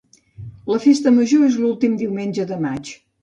La festa major és l'últim diumenge de maig.